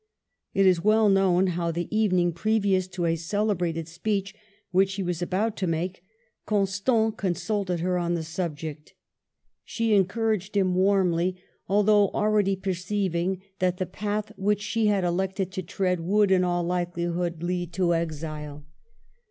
It is well known how, the evening previous to a celebrated speech which he was about to make, Constant consulted her on the subject. She encouraged Digitized by VjOOQIC 102 MADAME DE STAEL him warmly, although already perceiving that the path which she had elected to tread would, in all likelihood, lead to exile.